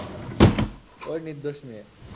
ওই নির্দোষ মেয়ে।